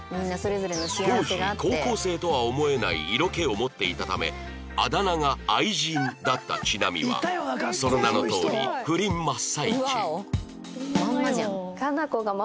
当時高校生とは思えない色気を持っていたためあだ名が「愛人」だったちなみはその名のとおり不倫真っ最中